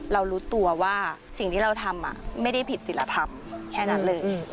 รู้ตัวว่าสิ่งที่เราทำไม่ได้ผิดศิลธรรมแค่นั้นเลย